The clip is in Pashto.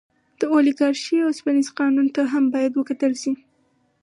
د اولیګارشۍ اوسپنیز قانون ته هم باید وکتل شي.